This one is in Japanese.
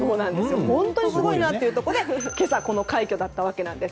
本当にすごいということで今朝、この快挙だったということです。